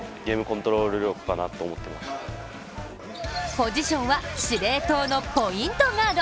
ポジションは司令塔のポイントガード。